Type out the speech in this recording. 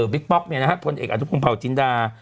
บิ๊กป๊อกเนี่ยนะครับคนเอกอาทิตย์ภงเผาจินดา